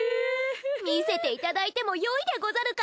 見せていただいてもよいでござるか？